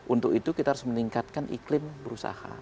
untuk itu kita harus meningkatkan iklim berusaha